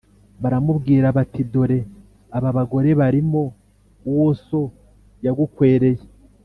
Baramubwira bati: "Dore aba bagore barimo uwo so yagukwereye,